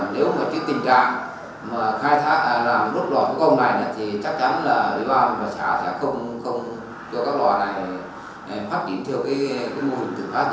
nếu tình trạng làm đốt lò thủ công này thì chắc chắn là địa bàn và xã sẽ không cho các lò này